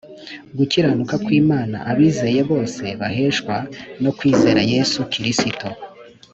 gukiranuka kw’Imana abizeye bose baheshwa no kwizera Yesu Kristo,